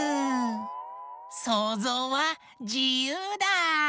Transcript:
そうぞうはじゆうだ！